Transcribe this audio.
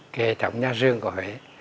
cái hệ thống nhà giường của huệ